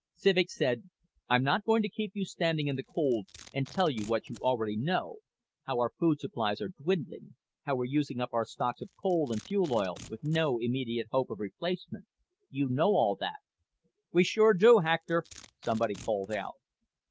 Civek said, "I'm not going to keep you standing in the cold and tell you what you already know how our food supplies are dwindling, how we're using up our stocks of coal and fuel oil with no immediate hope of replacement you know all that." "We sure do, Hector," somebody called out.